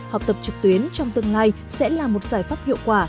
học tập trực tuyến trong từng ngày sẽ là một giải pháp hiệu quả